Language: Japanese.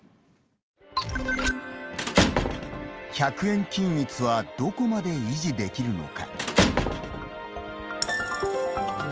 １００円均一はどこまで維持できるのか。